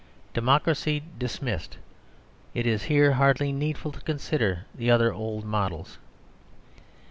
Democracy dismissed, it is here hardly needful to consider the other old models.